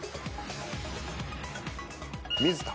水田。